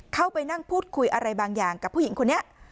เข้าไปนั่งพูดคุยอะไรบางอย่างกับผู้หญิงคนนี้